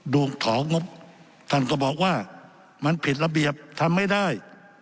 ดวงของงบท่านก็บอกว่ามันผิดระเบียบทำไม่ได้